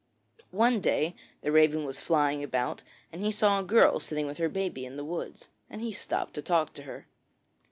One day the Raven was flying about, and he saw a girl sitting with her baby in the woods, and he stopped to talk to her.